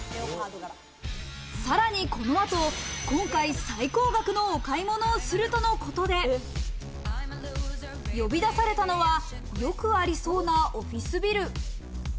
さらにこの後、今回最高額のお買い物をするとのことで、呼び出されたのは、よくありそうなオフィスビル。